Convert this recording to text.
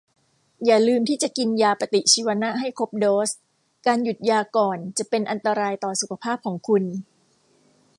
อย่าลืมที่จะกินยาปฏิชีวนะให้ครบโดส การหยุดยาก่อนจะเป็นอันตรายต่อสุขภาพของคุณ